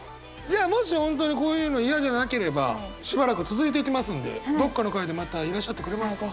じゃあもし本当にこういうの嫌じゃなければしばらく続いていきますんでどっかの回でまたいらっしゃってくれますか？